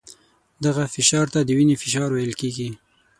دغه فشار ته د وینې فشار ویل کېږي.